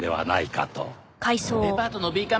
デパートのＢ館